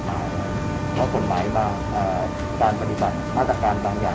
กฏหมายนะเพราะคนไม้บ้างอ่าการปฏิบัติมาตรการต่างอย่างอ่า